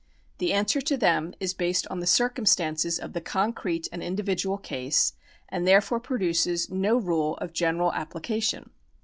The answer to them is based on the circumstances of the concrete and individual case, and therefore produces no rule of general application.